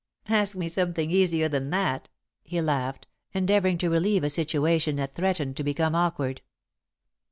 "Ask me something easier than that," he laughed, endeavouring to relieve a situation that threatened to become awkward.